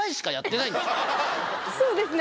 そうですね。